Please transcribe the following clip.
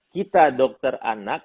kita dokter anak